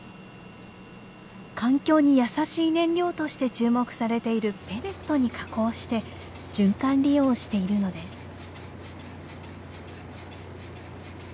環境に優しい燃料として注目されているペレットに加工して循環利用しているのです。